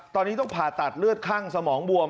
ตอนนี้ต้องผ่าตัดเลือดข้างสมองบวม